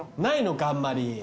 ないのかあんまり。